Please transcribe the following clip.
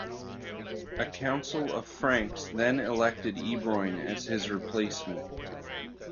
A council of Franks then elected Ebroin as his replacement.